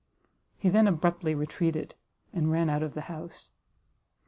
He then abruptly retreated, and ran out of the house.